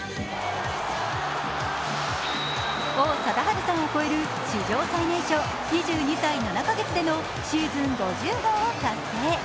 王貞治さんを超える史上最年少、２２歳７か月でのシーズンを達成。